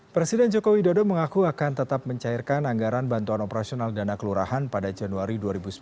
presiden jokowi dodo mengaku akan tetap mencairkan anggaran bantuan operasional dana kelurahan pada januari dua ribu sembilan belas